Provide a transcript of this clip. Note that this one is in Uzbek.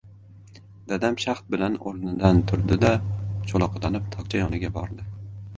Dadam shaxd bilan o‘rnidan turdi-da, cho‘loqlanib tokcha yoniga bordi.